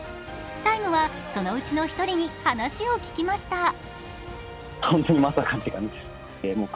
「ＴＩＭＥ，」はそのうちの１人に話を聞きました。